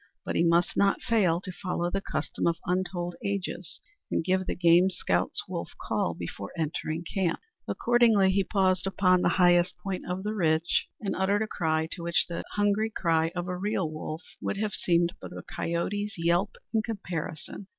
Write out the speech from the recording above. But he must not fail to follow the custom of untold ages, and give the game scout's wolf call before entering camp. Accordingly he paused upon the highest point of the ridge and uttered a cry to which the hungry cry of a real wolf would have seemed but a coyote's yelp in comparison!